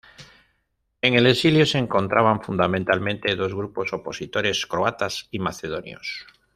En el exilio se encontraban fundamentalmente dos grupos opositores, croatas y macedonios.